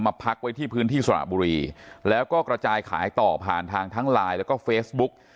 พักไว้ที่พื้นที่สระบุรีแล้วก็กระจายขายต่อผ่านทางทั้งไลน์แล้วก็เฟซบุ๊ก